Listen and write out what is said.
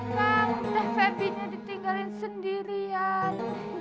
kang teh febi nya ditinggalin sendirian